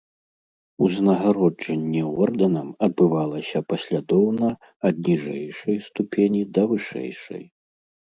Узнагароджанне ордэнам адбывалася паслядоўна ад ніжэйшай ступені да вышэйшай.